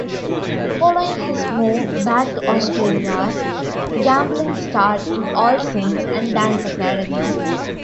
Following his move back to Australia, Gamblin starred in "All Saints" and "Dance Academy".